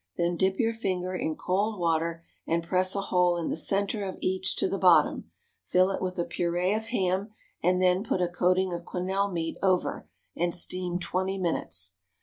Then dip your finger in cold water and press a hole in the centre of each to the bottom; fill it with a purée of ham, and then put a coating of quenelle meat over, and steam twenty minutes.